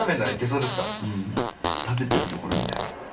ううん食べてるところ見たい。